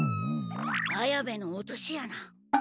綾部の落とし穴。